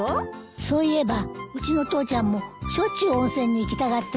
そういえばうちの父ちゃんもしょっちゅう温泉に行きたがってるわ。